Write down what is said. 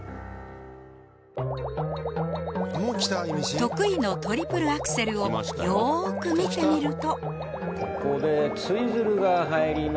得意のトリプルアクセルをよーく見てみると